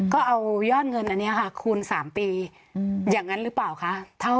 ก็เอายอดเงินอันนี้ค่ะคูณ๓ปีอย่างนั้นหรือเปล่าคะ